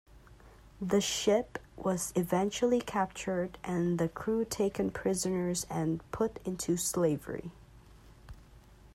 The ship was eventually captured and the crew taken prisoners and put into slavery.